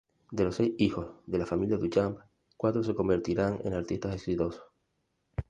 De los seis hijos de la familia Duchamp, cuatro se convertirán en artistas exitosos.